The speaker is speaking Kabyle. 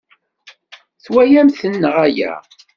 Twalamt-ten neɣ ala?